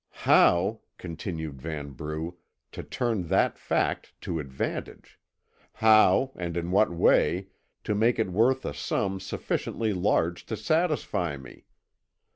"How," continued Vanbrugh, "to turn that fact to advantage? How, and in what way, to make it worth a sum sufficiently large to satisfy me?